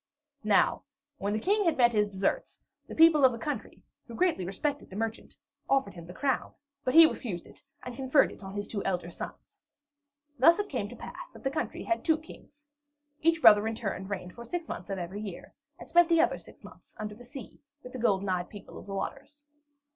Now, when the King had met his deserts, the people of the country, who greatly respected the merchant, offered him the crown; but he refused it and conferred it on his two elder sons. Thus it came to pass that the country had two kings. Each brother in turn reigned for six months of every year, and spent the other six under the sea with the golden eyed people of the waters.